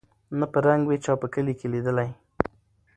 نه په رنګ وې چا په کلي کي لیدلی